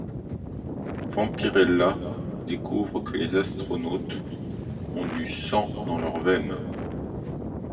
Vampirella découvre que les astronautes ont du sang dans leurs veines.